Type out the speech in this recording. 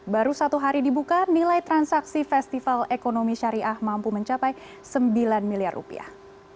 baru satu hari dibuka nilai transaksi festival ekonomi syariah mampu mencapai sembilan miliar rupiah